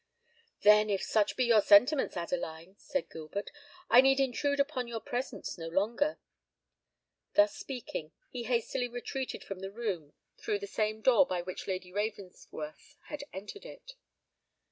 "Then, if such be your sentiments, Adeline," said Gilbert, "I need intrude upon your presence no longer." Thus speaking, he hastily retreated from the room through the same door by which Lady Ravensworth had entered it.